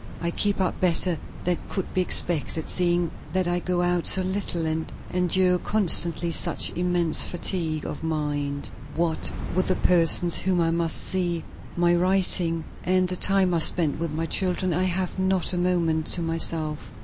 I keep up better than could be expected, seeing that I go out so little and endure constantly such immense fatigue of mind. What with the persons whom I must see, my writing, and the time I spend with my children, I have not a moment to myself.